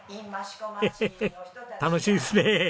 ヘヘヘッ楽しいですね。